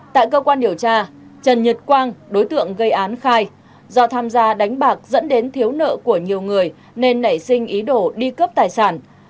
tại cơ quan điều tra trần nhật quang đối tượng gây án khai do tham gia đánh bạc dẫn đến thiếu nợ của nhiều người nên nảy sinh ý đồ đi cướp tài sản